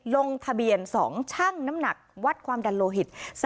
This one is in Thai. ลงทะเบียน๒ช่างน้ำหนักวัดความดันโลหิต